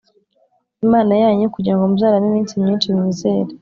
Imana yanyu kugira ngo muzarame iminsi myinshi Mwizere